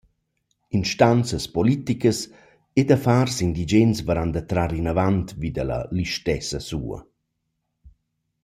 Instanzas politicas ed affars indigens varan da trar inavant vi da la listessa sua.